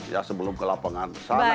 ya sebelum ke lapangan